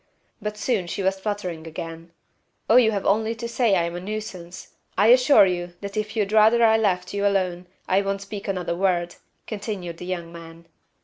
But soon she was fluttering again. "Oh, you have only to say I'm a nuisance! I assure you that if you'd rather I left you alone I won't speak another word," continued the young man.